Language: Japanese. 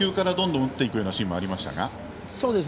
初球からどんどん打っていくシーンもありましたが。